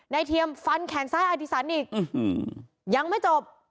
เทียมฟันแขนซ้ายอดิสันอีกยังไม่จบ